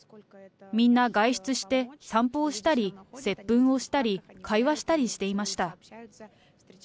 みんな外出して散歩をしたり、せっぷんをしたり、会話したりしていました。